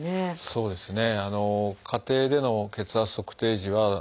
そうですね。